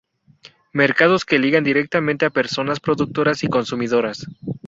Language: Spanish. mercados que ligan directamente a personas productoras y consumidoras